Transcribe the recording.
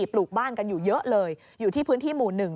ปลูกบ้านกันอยู่เยอะเลยอยู่ที่พื้นที่หมู่๑